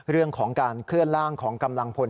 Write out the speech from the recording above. เรื่องของการเคลื่อนล่างของกำลังพล